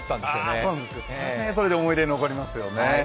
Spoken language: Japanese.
それはそれで思い出に残りますよね